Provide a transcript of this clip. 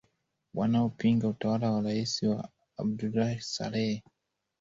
wanaopinga utawala wa rais wa ali abdulahi salleh